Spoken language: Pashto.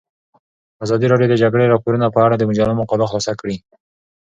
ازادي راډیو د د جګړې راپورونه په اړه د مجلو مقالو خلاصه کړې.